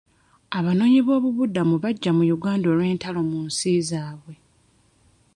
Abanoonyiboobubudamu bajja mu Uganda olw'entalo mu nsi zaabwe.